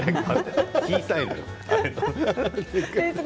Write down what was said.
小さいのよ。